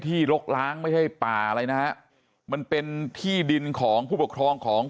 ลกล้างไม่ใช่ป่าอะไรนะฮะมันเป็นที่ดินของผู้ปกครองของ